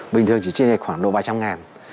bình thường chỉ trinh lệch khoảng độ ba trăm linh ngàn